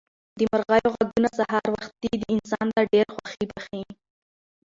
د مرغیو غږونه سهار وختي انسان ته ډېره خوښي بښي.